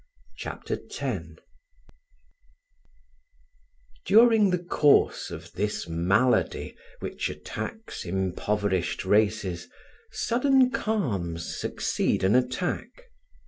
Chapter 10 During the course of this malady which attacks impoverished races, sudden calms succeed an attack.